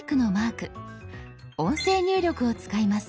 音声入力を使います。